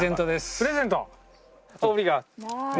プレゼント！